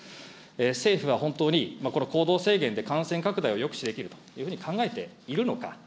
政府は本当に、この行動制限で感染拡大を抑止できるというふうに考えているのか。